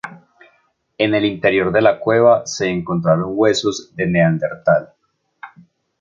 En el interior de la cueva se encontraron huesos de Neandertal.